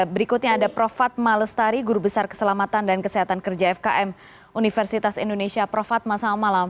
berikutnya ada prof fatma lestari guru besar keselamatan dan kesehatan kerja fkm universitas indonesia prof fatma selamat malam